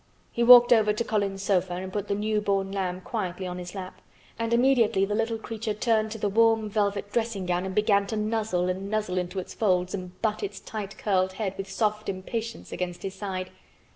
He walked over to Colin's sofa and put the new born lamb quietly on his lap, and immediately the little creature turned to the warm velvet dressing gown and began to nuzzle and nuzzle into its folds and butt its tight curled head with soft impatience against his side.